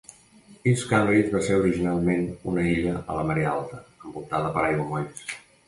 East Cambridge va ser originalment una illa a la marea alta, envoltada per aiguamolls.